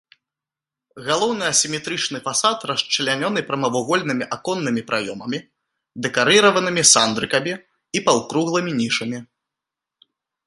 Галоўны асіметрычны фасад расчлянёны прамавугольнымі аконнымі праёмамі, дэкарыраванымі сандрыкамі і паўкруглымі нішамі.